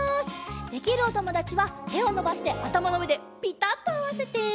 できるおともだちはてをのばしてあたまのうえでピタッとあわせて。